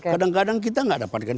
kadang kadang kita nggak dapatkan